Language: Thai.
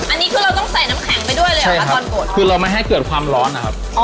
อันนี้คือเราต้องใส่น้ำแข็งไปด้วยเลยเหรอคะตอนอดคือเราไม่ให้เกิดความร้อนนะครับ